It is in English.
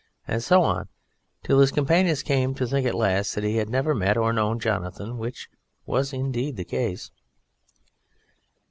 and so on; till his companions came to think at last that he had never met or known Jonathan; which was indeed the case.